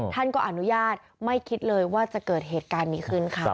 ท่านก็อนุญาตไม่คิดเลยว่าจะเกิดเหตุการณ์นี้ขึ้นค่ะ